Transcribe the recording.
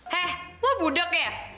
hei lo budak ya